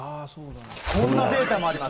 こんなデータもあります。